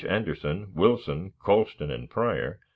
Anderson, Wilson, Colston, and Pryor